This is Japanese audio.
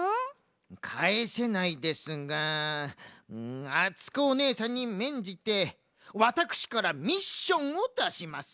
かえせないですがあつこおねえさんにめんじてワタクシからミッションをだします。